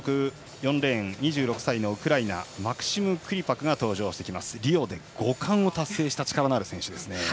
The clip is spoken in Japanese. ４レーン２６歳のウクライナマクシム・クリパクリオで５冠を達成した力のある選手です。